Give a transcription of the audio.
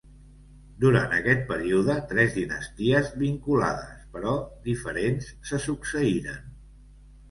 Durant aquest període, tres dinasties vinculades, però diferents se succeïren.